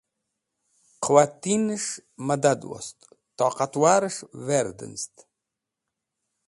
Qẽwatinẽs̃h mẽdad wost toqatqarẽs̃h verdẽnz̃ẽd.